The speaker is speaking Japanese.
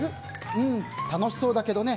うん、楽しそうだけどね